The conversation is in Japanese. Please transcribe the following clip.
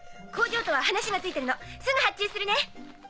工場とは話がついてるのすぐ発注するね。